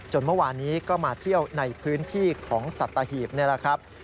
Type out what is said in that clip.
จนเมื่อวานนี้ก็มาเที่ยวในพื้นที่ของสัตว์ตะหีบ